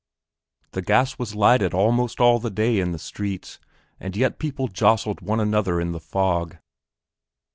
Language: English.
The gas was lighted almost all the day in the streets, and yet people jostled one another in the fog.